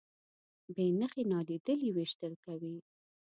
بې نښې نالیدلي ویشتل کوي.